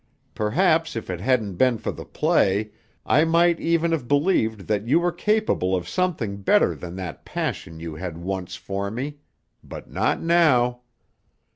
Perhaps if it hadn't been for the play, I might even have believed that you were capable of something better than that passion you had once for me but not now.